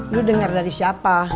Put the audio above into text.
lu dengar dari siapa